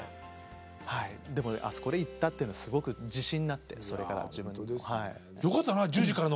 はいでもあそこで行ったというのはすごく自信になってそれから自分の。